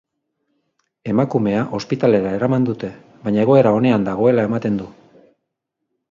Emakumea ospitalera eraman dute, baina egoera onean dagoela ematen du.